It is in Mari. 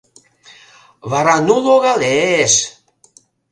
Вара ну логалеш!